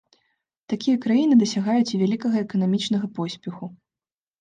Такія краіны дасягаюць і вялікага эканамічнага поспеху.